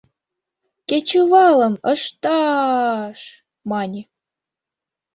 — Кечывалым ышта-а-а-аш! — мане.